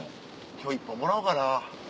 今日１本もらおうかな。